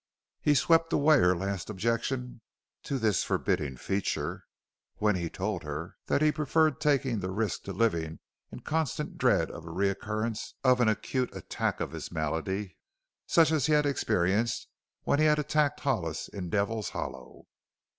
He swept away her last objection to this forbidding feature when he told her that he preferred taking the risk to living in constant dread of a recurrence of an acute attack of his malady such as he had experienced when he had attacked Hollis in Devil's Hollow.